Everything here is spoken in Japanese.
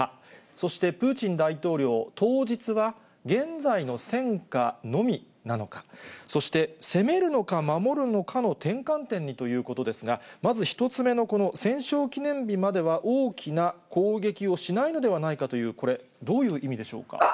そしてプーチン大統領、当日は、現在の戦果のみなのか、そして、攻めるのか、守るのかの転換点に？ということですが、まず１つ目のこの戦勝記念日までは、大きな攻撃をしないのではないかという、これ、どういう意味でしょうか？